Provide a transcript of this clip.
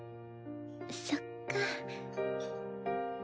そっか。